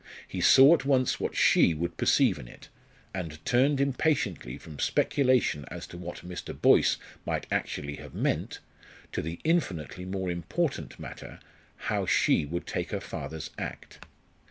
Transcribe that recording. He saw at once what she would perceive in it, and turned impatiently from speculation as to what Mr. Boyce might actually have meant, to the infinitely more important matter, how she would take her father's act.